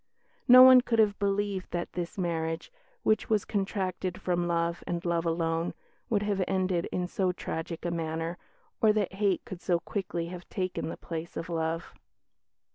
"No one could have believed that this marriage, which was contracted from love and love alone, would have ended in so tragic a manner, or that hate could so quickly have taken the place of love."